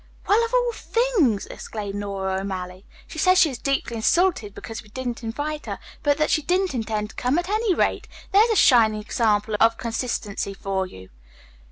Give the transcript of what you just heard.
'" "Well, of all things!" exclaimed Nora O'Malley. "She says she is deeply insulted because we didn't invite her, but that she didn't intend to come, at any rate. There's a shining example of consistency for you!"